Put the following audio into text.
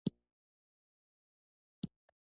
پکتیکا د افغانانو د فرهنګي پیژندنې برخه ده.